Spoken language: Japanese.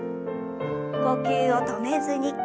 呼吸を止めずに。